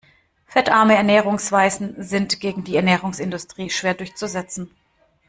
Fettarme Ernährungsweisen sind gegen die Ernährungsindustrie schwer durchzusetzen.